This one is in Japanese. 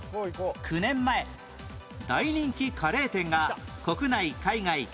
９年前大人気カレー店が国内海外合計